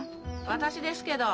私ですけど。